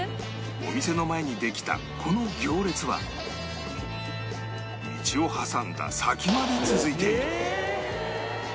お店の前にできたこの行列は道を挟んだ先まで続いている